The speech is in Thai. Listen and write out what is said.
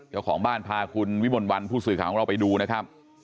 เจ้าของบ้านพาคุณวิมลวันผู้สื่อข่าวของเราไปดูนะครับ